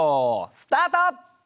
スタート！